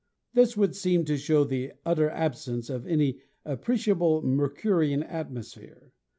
This would seem to show the utter absence of any appreciable Mercurian atmosphere.